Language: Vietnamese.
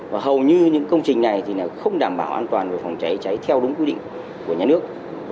và hầu như những công trình này thì không đảm bảo an toàn về phòng cháy cháy theo đúng quy định của nhà nước